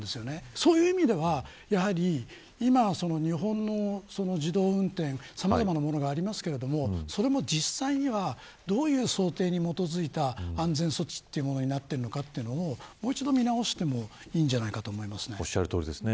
そういう意味ではやはり今は日本の自動運転さまざまなものがありますがそれも実際にはどういう想定に基づいた安全措置になっているのかというのをもう一度見直してもいいんじゃないかなとおっしゃるとおりですね。